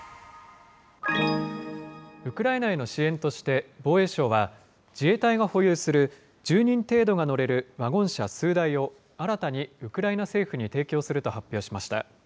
ウクライナへの支援として、防衛省は、自衛隊が保有する１０人程度が乗れるワゴン車数台を新たにウクライナ政府に提供すると発表しました。